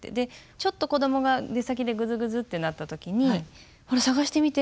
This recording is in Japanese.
ちょっと子どもが出先でグズグズってなった時に「ほら探してみて！